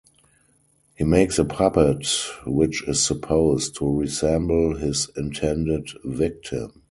He makes a puppet which is supposed to resemble his intended victim.